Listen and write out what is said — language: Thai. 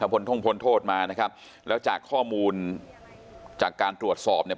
พลท่งพ้นโทษมานะครับแล้วจากข้อมูลจากการตรวจสอบเนี่ย